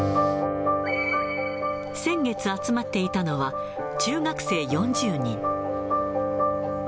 先月集まっていたのは、中学生４０人。